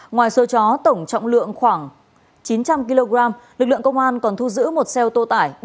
ngoài số chó tổng trọng lượng khoảng chín trăm linh kg lực lượng công an còn thu giữ một xe ô tô tải